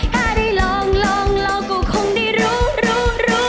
ถ้าได้ลองลองลองก็คงได้รู้รู้รู้